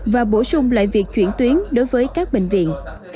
và bổ sung lại việc chuyển tuyến đối với các bệnh viện